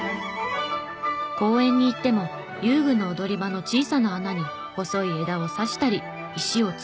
公園に行っても遊具の踊り場の小さな穴に細い枝を挿したり石を詰めたり。